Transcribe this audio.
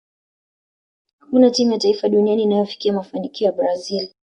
hakuna timu ya taifa duniani inayofikia mafanikio ya brazil